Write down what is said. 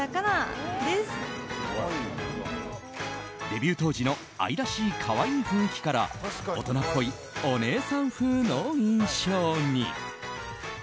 デビュー当時の愛らしい可愛い雰囲気から大人っぽいお姉さん風の印象に。